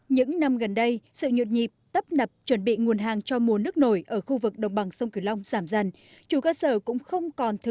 những năm gần đây sự nhuột nhịp tấp nập chuẩn bị nguồn hàng cho mùa nước nổi ở khu vực đồng bằng sông kiểu long giảm dần